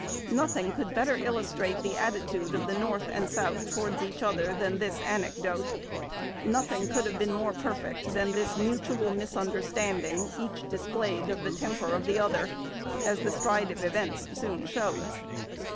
Nothing could better illustrate the attitude of the North and South towards each other than this anecdote. Notliing could have been more perfect than this mutual misunder standing each displayed of the temper of the other, as tlie stride of events soon showed.